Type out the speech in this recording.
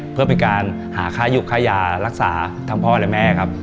เพื่อเป็นการหาค่ายุบค่ายารักษาทั้งพ่อและแม่ครับ